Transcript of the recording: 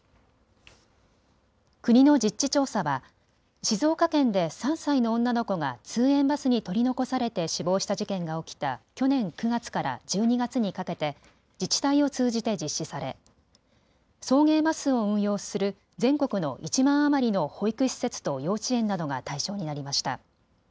国の実地調査は静岡県で３歳の女の子が通園バスに取り残されて死亡した事件が起きた去年９月から１２月にかけて自治体を通じて実施され送迎バスを運用する全国の１万余りの保育施設と幼稚園などが対象になりました。